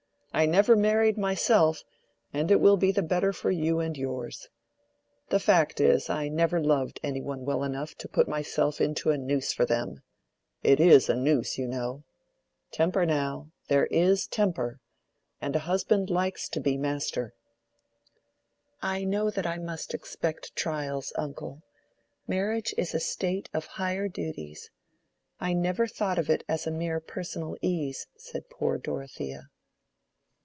I never married myself, and it will be the better for you and yours. The fact is, I never loved any one well enough to put myself into a noose for them. It is a noose, you know. Temper, now. There is temper. And a husband likes to be master." "I know that I must expect trials, uncle. Marriage is a state of higher duties. I never thought of it as mere personal ease," said poor Dorothea.